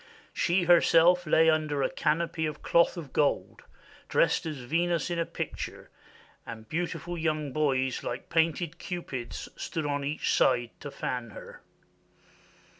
She herself lay under a canopy of cloth of gold, dressed as Venus in a picture, and beautiful young boys, like painted Cupids, stood on each side to fan her.